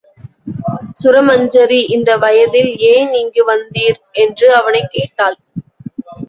சுரமஞ்சரி இந்த வயதில் ஏன் இங்கு வந்தீர்? என்று அவனைக் கேட்டாள்.